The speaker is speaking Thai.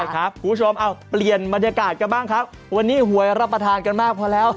คุณผู้ชมเอาเปลี่ยนบรรยากาศกันบ้างครับวันนี้หวยรับประทานกันมากพอแล้ว